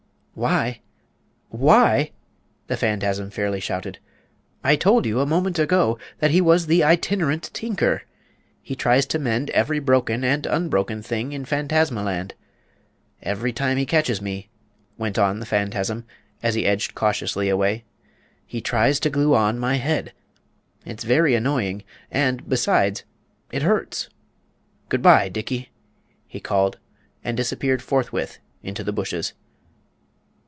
"Why? Why?" the Fantasm fairly shouted. "I told you a moment ago that he was the Itinerant Tinker! He tries to mend every broken and unbroken thing in Fantasma Land! Every time he catches me," went on the Fantasm, as he edged cautiously away, "he tries to glue on my head. It's very annoying and, besides, it hurts! Good by, Dickey!" he called, and disappeared forthwith into the bushes.